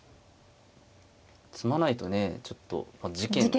詰まないとねちょっと事件。